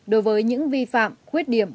đối với những vi phạm quyết điểm